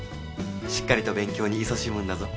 しっかりと勉強にいそしむんだぞ。